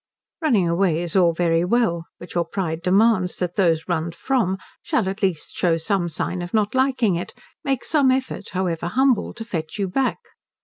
Running away is all very well, but your pride demands that those runned from shall at least show some sign of not liking it, make some effort, however humble, to fetch you back.